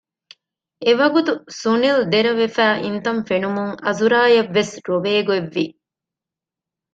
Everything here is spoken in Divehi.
އެވަގުތު ސުނިލް ދެރަވެފައި އިންތަން ފެނުމުން އަޒުރާއަށްވެސް ރޮވޭގޮތްވި